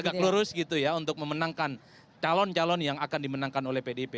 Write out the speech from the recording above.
tegak lurus gitu ya untuk memenangkan calon calon yang akan dimenangkan oleh pdip